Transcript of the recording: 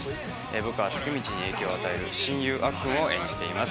僕は武道に影響を与える親友・アッくんを演じます。